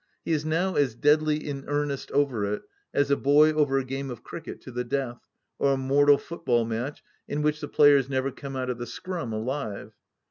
He is now as deadly in earnest over it as a boy over a game of cricket to the death, or a mortal football match in which the players never come out of the " scrimi " alive.